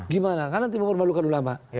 gimana kan nanti mempermalukan ulama